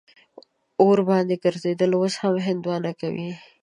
اور باندې ګرځېدل اوس هم هندوان کوي.